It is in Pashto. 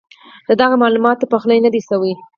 ددغه معلوماتو پخلی نۀ دی شوی